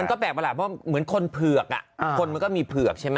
มันก็แปลกมากเหมือนคนผือกอะคนมันก็มีผือกเลยใช่ไหม